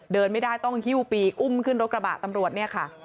เดินไม่ได้ต้องเฮี่ยวปีกอุ่มขึ้นรถกระบะตำรวจ